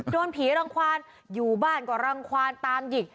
โดนผีรังความอยู่บ้านก็รังควานตามหยิก